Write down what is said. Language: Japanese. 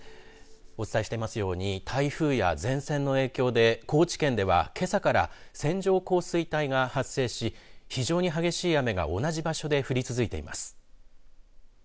お伝えしていますように台風や前線の影響で高知県ではけさから線状降水帯が発生し、非常に激しい雨が同じ場所で降り続いています。